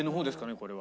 これは。